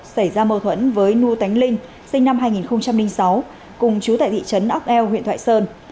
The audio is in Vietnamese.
xảy ra mâu thuẫn với nu tánh linh sinh năm hai nghìn sáu cùng chú tại thị trấn ốc eo huyện thoại sơn